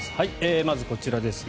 まずこちらですね。